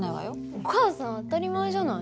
お母さん当たり前じゃない。